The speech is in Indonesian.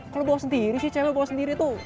kalau bawa sendiri sih cewek bawa sendiri tuh